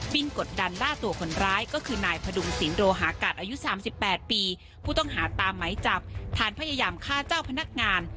กดดันล่าตัวคนร้ายก็คือนายพดุงศิลปโรหากัดอายุ๓๘ปีผู้ต้องหาตามไหมจับฐานพยายามฆ่าเจ้าพนักงาน